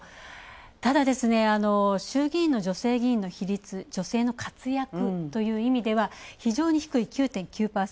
ただですね、衆議院の女性の比率、女性の活躍という意味ではひじょうに低い９．９％。